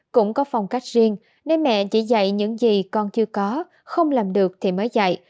cũng có phong cách riêng nên mẹ chỉ dạy những gì con chưa có không làm được thì mới dạy